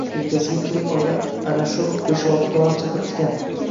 Yelkasiga kirib olgan ana shu besh-olti dona chaqirtikan.